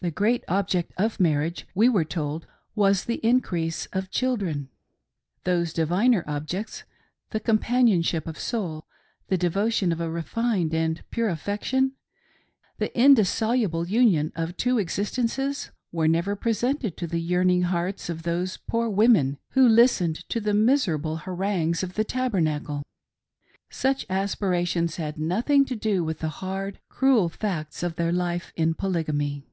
The great object of marriage, we were told, was the increase of children. Those diviner objects — the companionship of soul ; the devotion of a refined and pure affection ; the indissoluble union of two existences — were never presented to the yearning hearts of those poor women who listened to the miserable harangues of the Tab ernacle : such aspirations had nothing to do with the hard, cruel facts of their life in Polygamy.